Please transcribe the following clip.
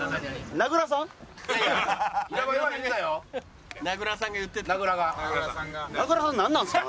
名倉さんなんなんすか？